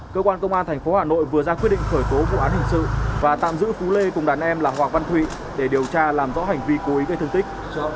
cơ quan công an tp hà nội vừa ra quyết định khởi tố vụ án hình sự và tạm giữ phú lê cùng đàn em là hoàng văn thụy để điều tra làm rõ hành vi cố ý gây thương tích